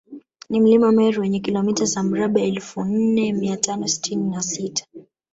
Ni mlima Meru wenye kilomita za mraba elfu nne mia tano sitini na sita